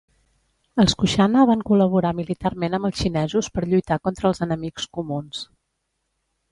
Els Kushana van col·laborar militarment amb els xinesos per lluitar contra els enemics comuns.